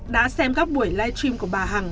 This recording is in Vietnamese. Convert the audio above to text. đã xem các buổi live stream của bà hằng